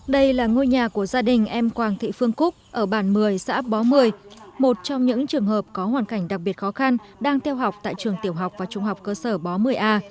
đây là ngôi nhà của gia đình em quang thị phương cúc ở bản một mươi xã bó một mươi một trong những trường hợp có hoàn cảnh đặc biệt khó khăn đang theo học tại trường tiểu học và trung học cơ sở bó một mươi a